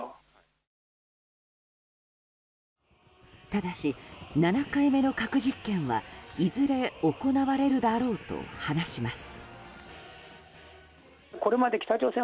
ただし、７回目の核実験はいずれ行われるだろうと話します。